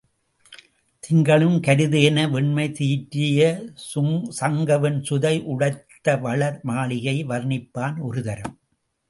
திங்களும் கரிது என, வெண்மை தீற்றிய சங்க வெண் சுதை உடைத் தவள மாளிகையை வர்ணிப்பான் ஒருதரம்.